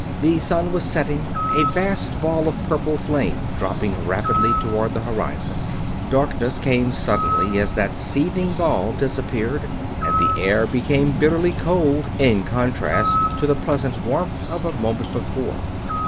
The sun was setting; a vast ball of purple flame dropping rapidly toward the horizon. Darkness came suddenly as that seething ball disappeared, and the air became bitterly cold, in sharp contrast to the pleasant warmth of a moment before.